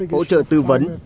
hỗ trợ tư vấn